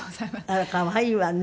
あら可愛いわね。